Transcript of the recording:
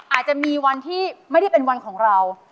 อาจจะมีวันที่ไม่ได้เป็นวันของเรา